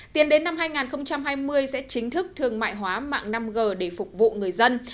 tiến đến năm hai nghìn hai mươi sẽ chính thức thương mại hóa mạng năm g để phục vụ người dân